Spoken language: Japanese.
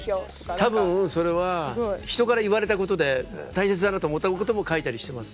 たぶんそれはひとから言われたことで大切だなと思ったことも書いたりしてます。